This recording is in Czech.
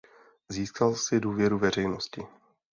Získal si důvěru veřejnosti.